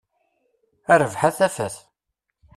A rrbeḥ a tafat!